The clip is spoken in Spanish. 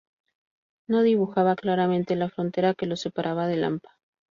No dibujaba claramente la frontera que lo separaba del hampa.